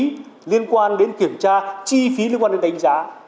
nó có chi phí liên quan đến kiểm tra chi phí liên quan đến đánh giá